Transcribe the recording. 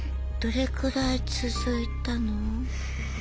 どれくらい続いたの？